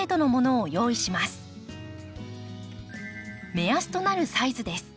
目安となるサイズです。